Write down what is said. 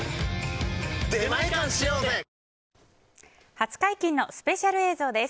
初解禁のスペシャル映像です。